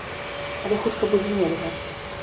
Але хутка будзе нельга.